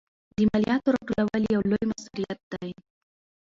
د مالیاتو راټولول یو لوی مسوولیت دی.